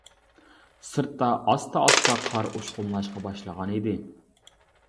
سىرتتا ئاستا-ئاستا قار ئۇچقۇنلاشقا باشلىغان ئىدى.